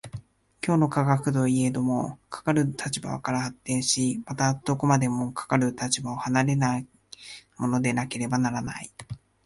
今日の科学といえども、かかる立場から発展し、またどこまでもかかる立場を離れないものでなければならない。